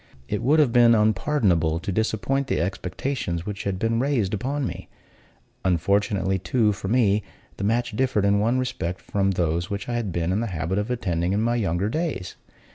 It would have been unpardonable to disappoint the expectations which had been raised on me. Unfortunately, too, for me, the match differed in one respect from those which I had been in the habit of attending in my younger days.